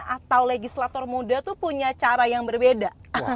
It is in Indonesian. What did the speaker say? atau legislator muda itu punya cara yang berbeda